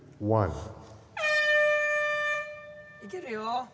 いけるよ。